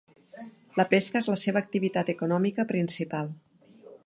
La pesca és la seva activitat econòmica principal.